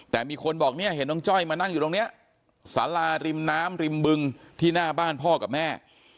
แต่มีคนบอกเนี่ยเห็นน้องจ้อยมานั่งอยู่ตรงนี้สาราริมน้ำริมบึงที่หน้าบ้านพ่อกับแม่